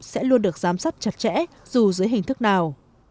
sẽ luôn được giám sát chặt chẽ dù dưới hình thức nào